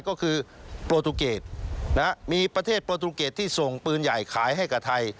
ก็คือโปรตูเกตมีประเทศโปรตูเกตที่ส่งปืนใหญ่ขายให้กับไทย